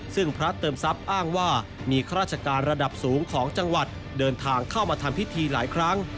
ซึ่งพระเติมทรัพย์อ้างว่ามีข้าราชการระดับสูงของจังหวัดเดินทางเข้ามาทำพิธีหลายครั้ง